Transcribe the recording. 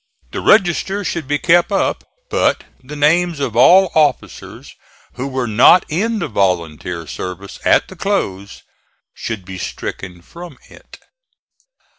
The register should be kept up, but the names of all officers who were not in the volunteer service at the close, should be stricken from it.